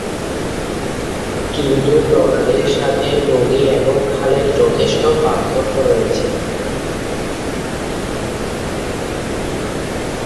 কিন্তু প্রণালীর সাথে নদী এবং খালের যথেষ্ট পার্থক্য রয়েছে।